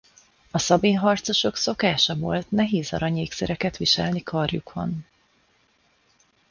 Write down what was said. A szabin harcosok szokása volt nehéz arany ékszereket viselni karjukon.